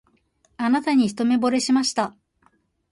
あなたに一目ぼれしました